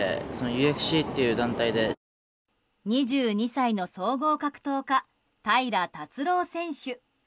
２２歳の総合格闘家平良達郎選手。